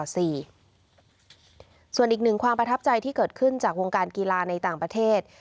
ส่วนอีกหนึ่งความประทับใจที่เกิดขึ้นจากวงการกีฬาในต่างประเทศ